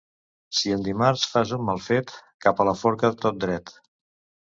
Si en dimarts fas un mal fet, cap a la forca tot dret.